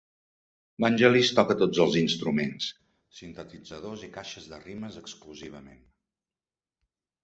Vangelis toca tots els instruments: sintetitzadors i caixes de ritmes exclusivament.